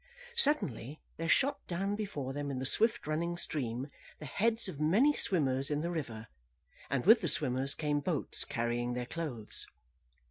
Suddenly, there shot down before them in the swift running stream the heads of many swimmers in the river, and with the swimmers came boats carrying their clothes.